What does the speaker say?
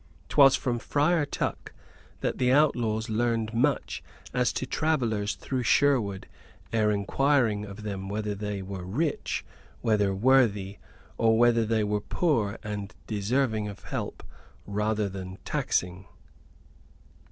'Twas from Friar Tuck that the outlaws learned much as to travellers through Sherwood ere inquiring of them whether they were rich, whether worthy, or whether they were poor and deserving of help rather than taxing.